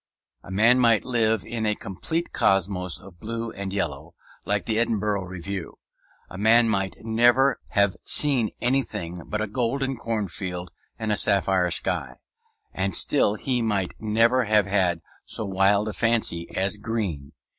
A man might live in a complete cosmos of blue and yellow, like the "Edinburgh Review"; a man might never have seen anything but a golden cornfield and a sapphire sky; and still he might never have had so wild a fancy as green.